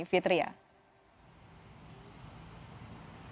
fani selamat pagi